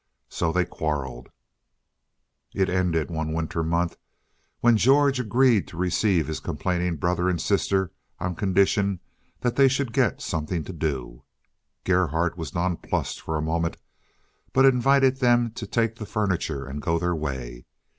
So they quarreled. It ended one winter month when George agreed to receive his complaining brother and sister on condition that they should get something to do. Gerhardt was nonplussed for a moment, but invited them to take the furniture and go their way.